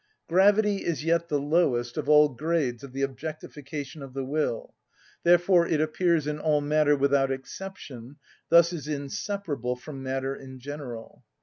Gravity is yet the lowest of all grades of the objectification of the will; therefore it appears in all matter without exception, thus is inseparable from matter in general.